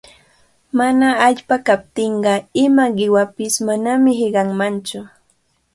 Mana allpa kaptinqa ima qiwapish manami hiqanmantsu.